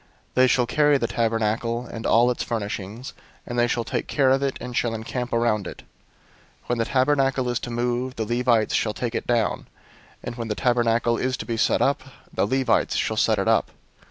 They shall carry the tabernacle, and all its furnishings; and they shall take care of it, and shall encamp around it. 001:051 When the tabernacle is to move, the Levites shall take it down; and when the tabernacle is to be set up, the Levites shall set it up.